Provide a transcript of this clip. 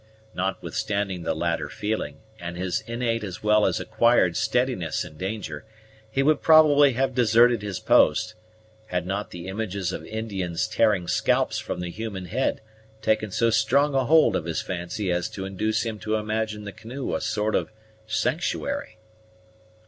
Notwithstanding the latter feeling, and his innate as well as acquired steadiness in danger, he would probably have deserted his post; had not the images of Indians tearing scalps from the human head taken so strong hold of his fancy as to induce him to imagine the canoe a sort of sanctuary.